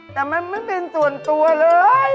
แต่มันไม่เป็นส่วนตัวเลย